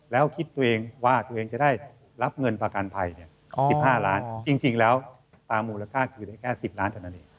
แล้วคิดตัวเองว่าตัวเองจะได้รับเงินประกันภัย๑๕ล้านจริงแล้วตามมูลค่าคือได้แค่๑๐ล้านเท่านั้นเอง